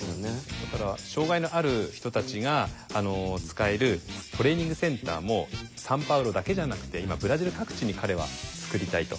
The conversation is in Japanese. だから障害のある人たちが使えるトレーニングセンターもサンパウロだけじゃなくて今ブラジル各地に彼はつくりたいと。